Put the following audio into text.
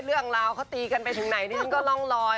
เรื่องราวเขาตีกันไปถึงไหนดิฉันก็ร่องลอย